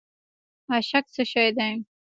اشک څه شی دی؟